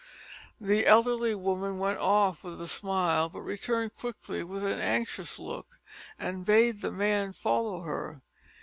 The elderly woman went off with a smile, but returned quickly with an anxious look, and bade the man follow her.